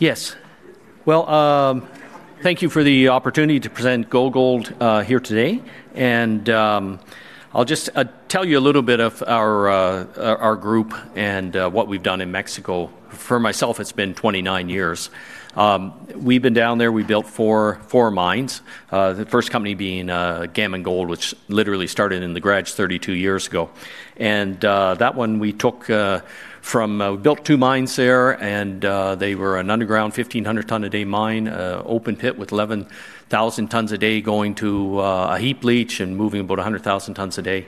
Yes. Thank you for the opportunity to present GoGold here today. I'll just tell you a little bit of our group and what we've done in Mexico. For myself, it's been 29 years. We've been down there. We built four mines, the first company being Gammon Gold, which literally started in the garage 32 years ago. That one we took from, we built two mines there, and they were an underground 1,500-ton-a-day mine, open pit with 11,000 tons a day going to a heap leach and moving about 100,000 tons a day.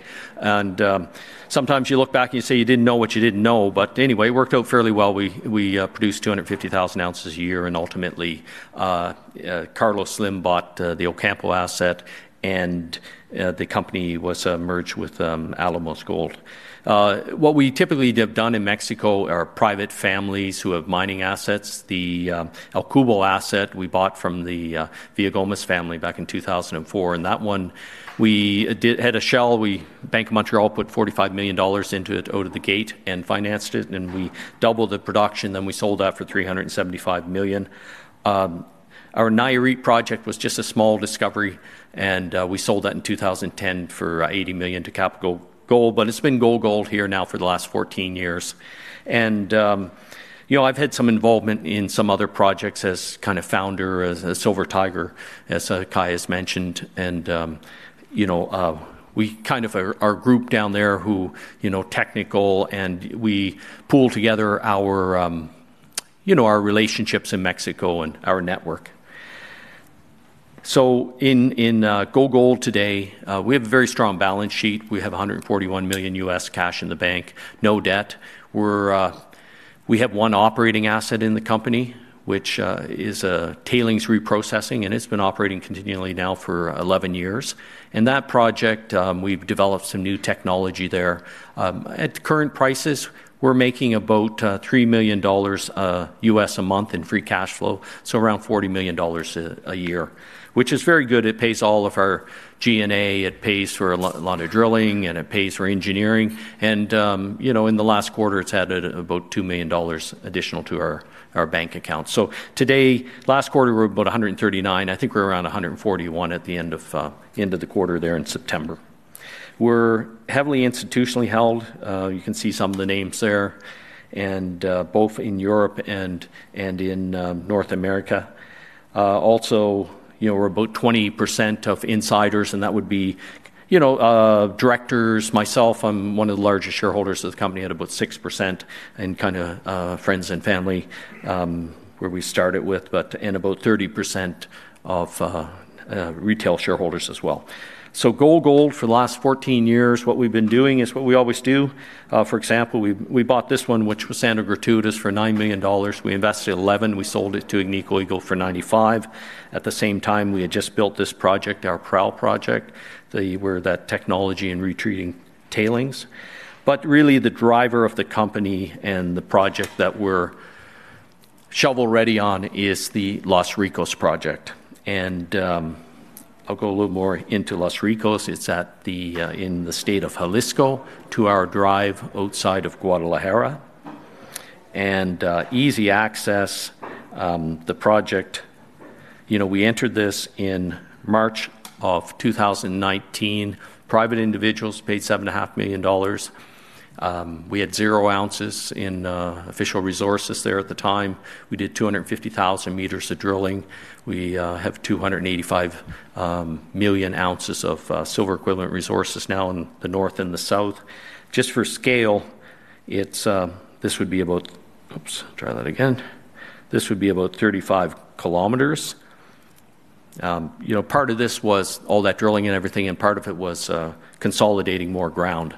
Sometimes you look back and you say you didn't know what you didn't know. Anyway, it worked out fairly well. We produced 250,000 ounces a year. Ultimately, Carlos Slim bought the Ocampo asset, and the company was merged with Alamos Gold. What we typically have done in Mexico are private families who have mining assets. The El Cubo asset we bought from the Via Gomez family back in 2004. That one we had a shell. We, Bank of Montreal, put $45 million into it out of the gate and financed it. We doubled the production. We sold that for $375 million. Our Nayarit project was just a small discovery, and we sold that in 2010 for $80 million to Capital Gold. It's been GoGold here now for the last 14 years. I've had some involvement in some other projects as kind of founder, as Silver Tiger, as Kai has mentioned. We kind of are a group down there who are technical, and we pool together our relationships in Mexico and our network. In GoGold today, we have a very strong balance sheet. We have $141 million US cash in the bank, no debt. We have one operating asset in the company, which is tailings reprocessing, and it's been operating continually now for 11 years. That project, we've developed some new technology there. At current prices, we're making about $3 million US a month in free cash flow, so around $40 million a year, which is very good. It pays all of our G&A. It pays for a lot of drilling, and it pays for engineering. In the last quarter, it's added about $2 million additional to our bank accounts. Today, last quarter, we were about $139 million. I think we're around $141 million at the end of the quarter there in September. We're heavily institutionally held. You can see some of the names there, both in Europe and in North America. Also, we're about 20% of insiders, and that would be directors. Myself, I'm one of the largest shareholders of the company. I had about 6% and kind of friends and family where we started with, and about 30% of retail shareholders as well. GoGold for the last 14 years, what we've been doing is what we always do. For example, we bought this one, which was Santa Gertrudis, for $9 million. We invested $11 million. We sold it to Agnico Eagle for $95 million. At the same time, we had just built this project, our Parral project, where that technology and retreating tailings. Really, the driver of the company and the project that we're shovel-ready on is the Los Ricos project. I'll go a little more into Los Ricos. It's in the state of Jalisco, two-hour drive outside of Guadalajara. Easy access, the project. We entered this in March of 2019. Private individuals paid $7.5 million. We had zero ounces in official resources there at the time. We did 250,000 meters of drilling. We have 285 million ounces of silver-equivalent resources now in the north and the south. Just for scale, this would be about—oops, try that again. This would be about 35 km. Part of this was all that drilling and everything, and part of it was consolidating more ground.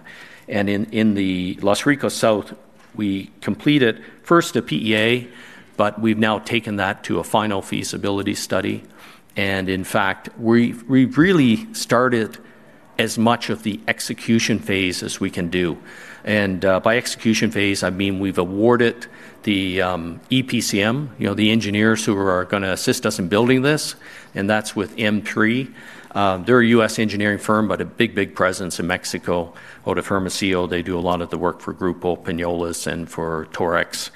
In the Los Ricos South, we completed first a PEA, but we've now taken that to a final feasibility study. In fact, we've really started as much of the execution phase as we can do. By execution phase, I mean we've awarded the EPCM, the engineers who are going to assist us in building this, and that's with M3. They're a US engineering firm, but a big, big presence in Mexico. Outotec CEO, they do a lot of the work for Grupo Peñoles and for Torex.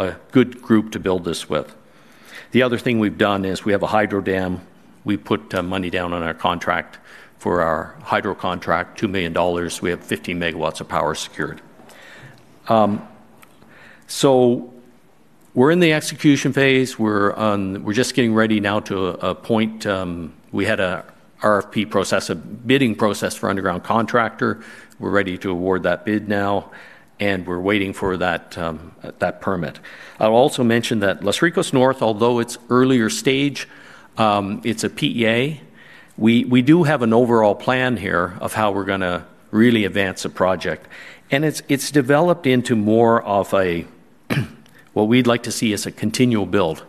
A good group to build this with. The other thing we've done is we have a hydro dam. We put money down on our contract for our hydro contract, $2 million. We have 15 of power secured. We're in the execution phase. We're just getting ready now to appoint. We had an RFP process, a bidding process for underground contractor. We're ready to award that bid now, and we're waiting for that permit. I'll also mention that Los Ricos North, although it's earlier stage, it's a PEA. We do have an overall plan here of how we're going to really advance the project. It has developed into more of what we'd like to see as a continual build.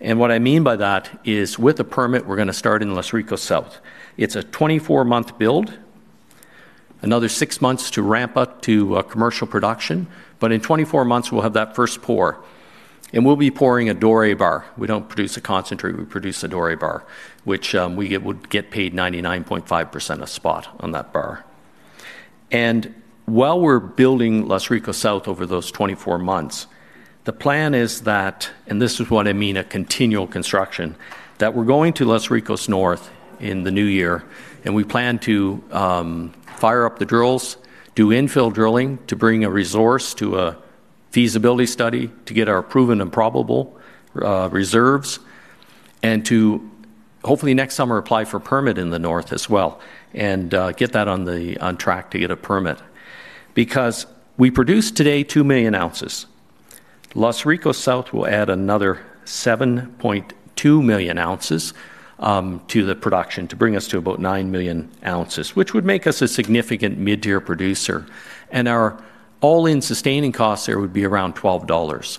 And what I mean by that is with the permit, we're going to start in Los Ricos South. It's a 24-month build, another six months to ramp up to commercial production. But in 24 months, we'll have that first pour. And we'll be pouring a doré bar. We don't produce a concentrate. We produce a doré bar, which we would get paid 99.5% of spot on that bar. And while we're building Los Ricos South over those 24 months, the plan is that, and this is what I mean a continual construction, that we're going to Los Ricos North in the new year. And we plan to fire up the drills, do infill drilling to bring a resource to a feasibility study to get our proven and probable reserves, and to hopefully next summer apply for a permit in the north as well and get that on track to get a permit. Because we produced today 2 million ounces. Los Ricos South will add another 7.2 million ounces to the production to bring us to about 9 million ounces, which would make us a significant mid-tier producer. Our all-in sustaining costs there would be around $12.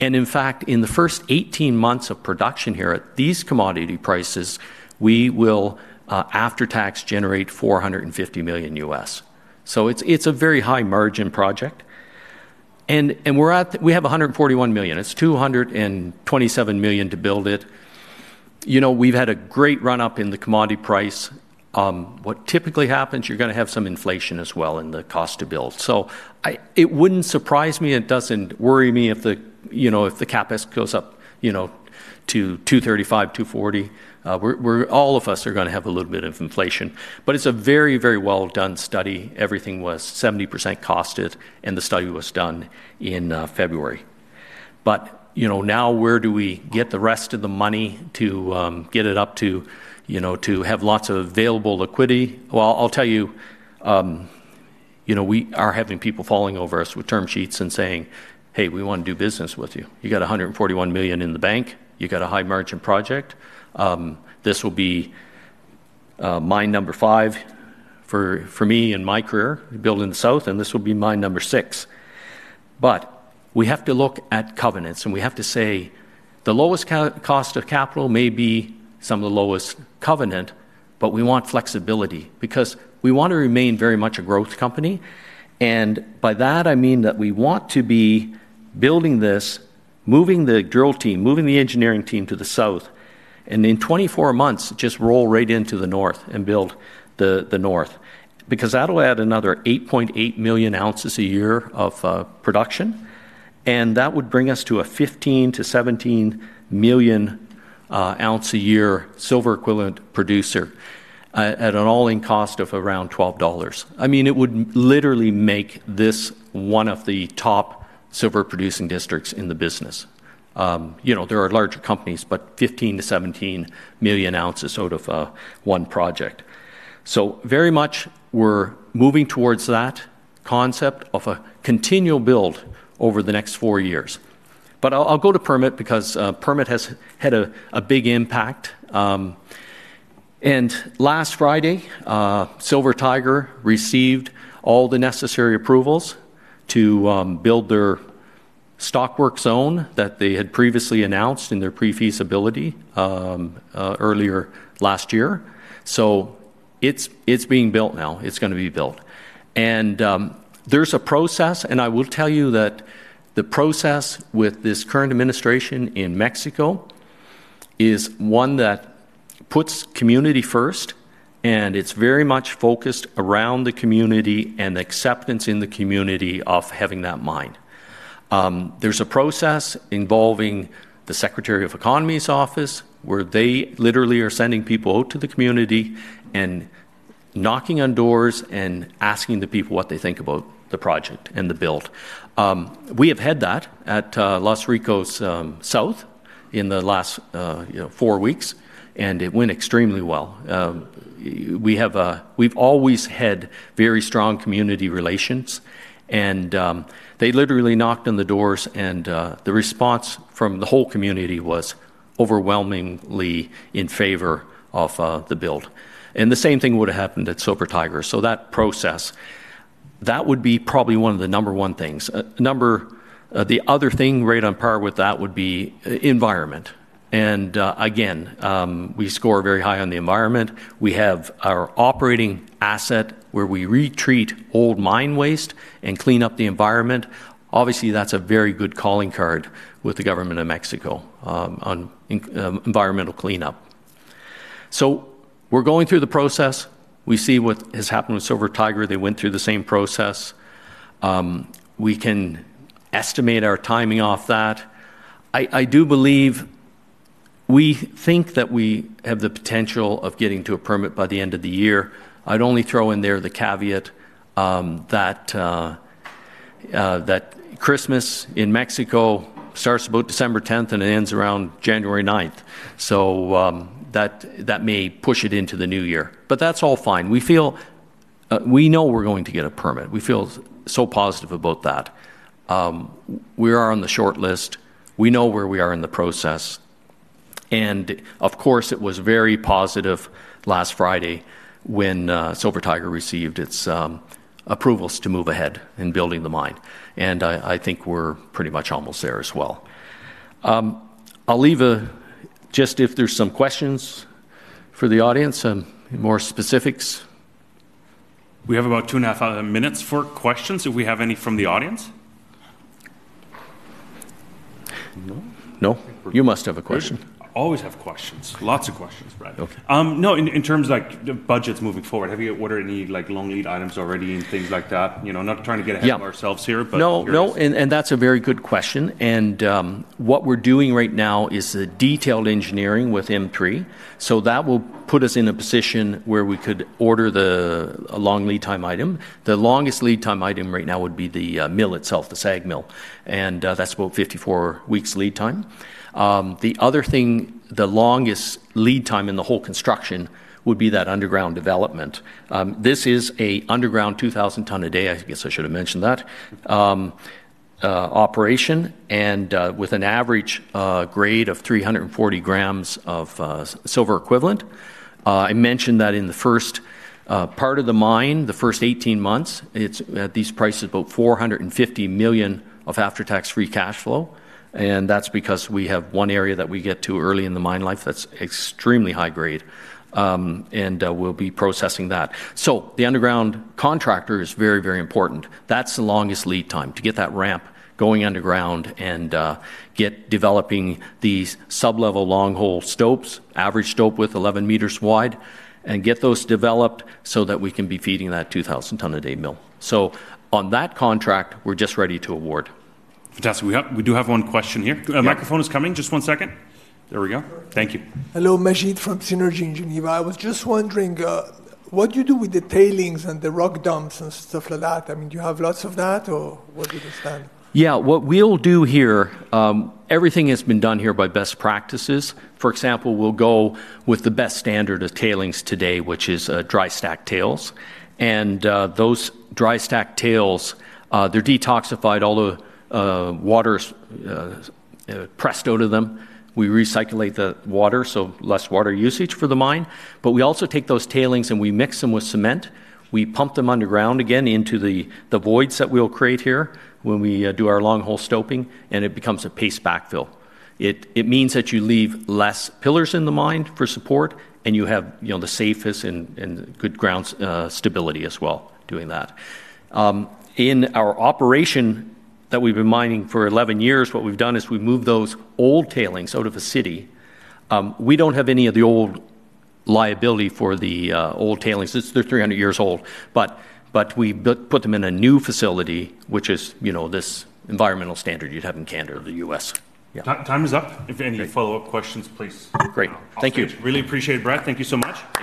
In fact, in the first 18 months of production here at these commodity prices, we will, after tax, generate $450 million. It is a very high-margin project. We have $141 million. It is $227 million to build it. We have had a great run-up in the commodity price. What typically happens, you are going to have some inflation as well in the cost to build. It would not surprise me and it does not worry me if the CapEx goes up to $235 million-$240 million. All of us are going to have a little bit of inflation. It is a very, very well-done study. Everything was 70% costed, and the study was done in February. But now where do we get the rest of the money to get it up to have lots of available liquidity? Well, I'll tell you, we are having people falling over us with term sheets and saying, "Hey, we want to do business with you. You got $141 million in the bank. You got a high-margin project. This will be mine number five for me and my career building the south, and this will be mine number six." But we have to look at covenants, and we have to say the lowest cost of capital may be some of the lowest covenant, but we want flexibility because we want to remain very much a growth company. By that, I mean that we want to be building this, moving the drill team, moving the engineering team to the south, and in 24 months just roll right into the north and build the north. Because that'll add another 8.8 million ounces a year of production. That would bring us to a 15-17 million ounce a year silver-equivalent producer at an all-in cost of around $12. I mean, it would literally make this one of the top silver-producing districts in the business. There are larger companies, but 15-17 million ounces out of one project. Very much we're moving towards that concept of a continual build over the next four years. I'll go to permit because permit has had a big impact. Last Friday, Silver Tiger Metals received all the necessary approvals to build their stockwork zone that they had previously announced in their pre-feasibility earlier last year. So it's being built now. It's going to be built. There's a process, and I will tell you that the process with this current administration in Mexico is one that puts community first, and it's very much focused around the community and acceptance in the community of having that mine. There's a process involving the Secretary of Economy's office where they literally are sending people out to the community and knocking on doors and asking the people what they think about the project and the build. We have had that at Los Ricos South in the last four weeks, and it went extremely well. We've always had very strong community relations, and they literally knocked on the doors, and the response from the whole community was overwhelmingly in favor of the build, and the same thing would have happened at Silver Tiger Metals, so that process, that would be probably one of the number one things. The other thing right on par with that would be environment, and again, we score very high on the environment. We have our operating asset where we retreat old mine waste and clean up the environment. Obviously, that's a very good calling card with the government of Mexico on environmental cleanup, so we're going through the process. We see what has happened with Silver Tiger Metals. They went through the same process. We can estimate our timing off that. I do believe we think that we have the potential of getting to a permit by the end of the year. I'd only throw in there the caveat that Christmas in Mexico starts about December 10th, and it ends around January 9th. So that may push it into the new year. But that's all fine. We know we're going to get a permit. We feel so positive about that. We are on the short list. We know where we are in the process. And of course, it was very positive last Friday when Silver Tiger received its approvals to move ahead in building the mine. And I think we're pretty much almost there as well. I'll leave it just if there's some questions for the audience and more specifics. We have about two and a half minutes for questions if we have any from the audience. No. No? You must have a question. We always have questions. Lots of questions, Brad. Okay. No, in terms of budgets moving forward, have you ordered any long lead items already and things like that? Not trying to get ahead of ourselves here, but. No, no, and that's a very good question. And what we're doing right now is the detailed engineering with M3. So that will put us in a position where we could order the long lead time item. The longest lead time item right now would be the mill itself, the SAG mill. And that's about 54 weeks lead time. The other thing, the longest lead time in the whole construction would be that underground development. This is an underground 2,000-ton-a-day operation and with an average grade of 340 grams of silver-equivalent. I mentioned that in the first part of the mine, the first 18 months, it's at these prices about $450 million of after-tax free cash flow. And that's because we have one area that we get to early in the mine life that's extremely high grade. And we'll be processing that. So the underground contractor is very, very important. That's the longest lead time to get that ramp going underground and get developing these sub-level long hole stopes, average stope width 11 meters wide, and get those developed so that we can be feeding that 2,000-ton-a-day mill. So on that contract, we're just ready to award. Fantastic. We do have one question here. A microphone is coming. Just one second. There we go. Thank you. Hello, Majed from Synergy Engineering. I was just wondering what you do with the tailings and the rock dumps and stuff like that. I mean, do you have lots of that or what do you understand? Yeah. What we'll do here, everything has been done here by best practices. For example, we'll go with the best standard of tailings today, which is dry stacked tails, and those dry stacked tails, they're detoxified. All the water is pressed out of them. We recycle the water, so less water usage for the mine, but we also take those tailings and we mix them with cement. We pump them underground again into the voids that we'll create here when we do our long hole stoping, and it becomes a paste backfill. It means that you leave less pillars in the mine for support, and you have the safest and good ground stability as well doing that. In our operation that we've been mining for 11 years, what we've done is we've moved those old tailings out of the city. We don't have any of the old liability for the old tailings. They're 300 years old. But we put them in a new facility, which is this environmental standard you'd have in Canada or the US. Time is up. If any follow-up questions, please. Great. Thank you. Really appreciate it, Brad. Thank you so much.